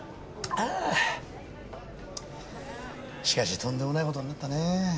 しかしとんでもない事になったねえ。